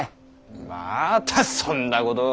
またそんなことを。